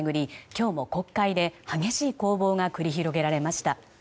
今日も国会で激しい攻防が繰り広げられました。